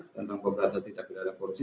tentang pemberantasan tindak beda atau korupsi